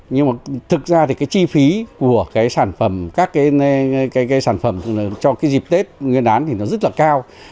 nhưng mà thực ra thì cái chi phí của các cái sản phẩm cho cái dịp tết nguyên đán thì nó rất là cao